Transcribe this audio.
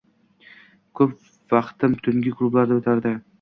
Ko‘p vaqtim tungi klublarda o‘tardi